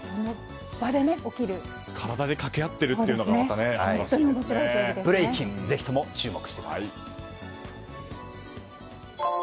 体で掛け合っているのがブレイキンぜひとも注目してください。